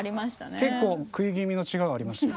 結構食い気味の「違う」ありました。